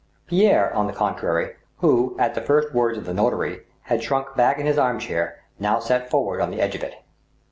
Pierre, on the contrary, who, at the first words of the notary, had shrunk back in his arm chair, now sat forward on the edge of it.